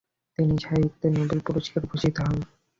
তিনি সাহিত্যে নোবেল পুরস্কারে ভূষিত হন।